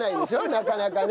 なかなかね。